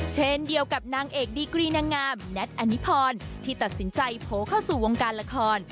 เช่นเดียวกับนางเอกดีกรีนางงามแน็ตอันนิพรที่ตัดสินใจโผล่เข้าสู่วงการละคร